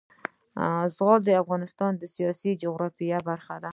زغال د افغانستان د سیاسي جغرافیه برخه ده.